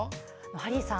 ハリーさん